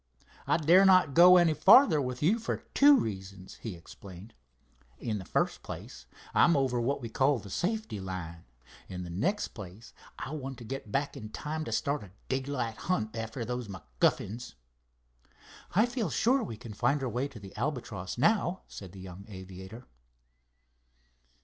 "I dare not go any farther with you for two reasons," he explained. "In the first place I'm over what we call the safety line. In the next place I want to get back in time to start a daylight hunt after those MacGuffins." "I feel sure we can find our way to the Albatross now," said the young aviator.